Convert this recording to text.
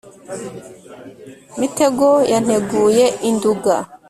mitego ya nteguye i nduga